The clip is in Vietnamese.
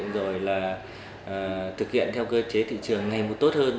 rồi là thực hiện theo cơ chế thị trường ngày một tốt hơn